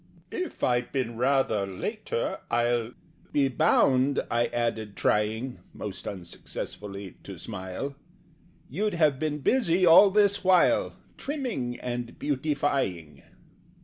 "If I'd been rather later, I'll Be bound," I added, trying (Most unsuccessfully) to smile, "You'd have been busy all this while, Trimming and beautifying?"